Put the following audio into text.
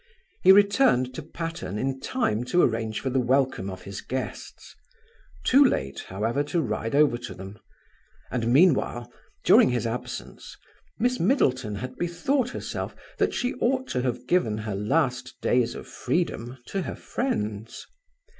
He returned to Patterne in time to arrange for the welcome of his guests; too late, however, to ride over to them; and, meanwhile, during his absence, Miss Middleton had bethought herself that she ought to have given her last days of freedom to her friends.